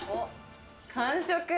完食。